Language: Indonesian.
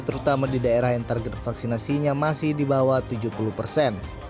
terutama di daerah yang target vaksinasinya masih di bawah tujuh puluh persen